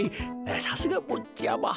さすがぼっちゃま。